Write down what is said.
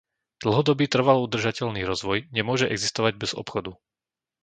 Dlhodobý trvalo udržateľný rozvoj nemôže existovať bez obchodu.